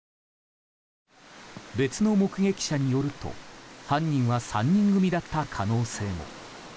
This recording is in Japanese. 別の目撃者によると犯人は３人組だった可能性も。